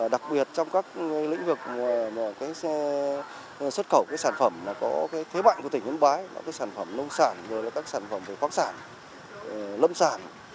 đặc biệt trong các lĩnh vực xuất khẩu sản phẩm có thế mạnh của tỉnh yên bái sản phẩm nông sản sản phẩm khoác sản lâm sản